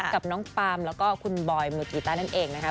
กับน้องปามแล้วก็คุณบอยมือกีต้านั่นเองนะคะ